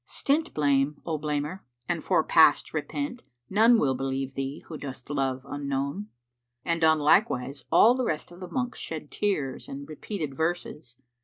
Stint blame, O blamer, and for past repent * None will believe thee who dost Love unknow!" And on like wise all the rest of the monks shed tears and repeated verses.